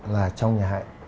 là trong nhà hạnh